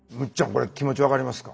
これ気持ち分かりますか？